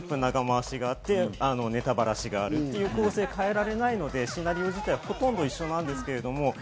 最初に３０分、長回しがあって、ネタばらしがあるという構成は変えられないので、シナリオ自体はほとんど一緒なんですけど。